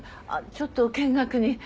ちょっと見学に。